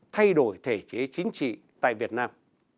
thay đổi thể chế chính trị tại việt nam